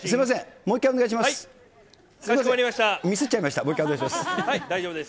もう一回お願いします。